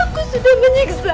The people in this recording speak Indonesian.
aku sudah menyiksa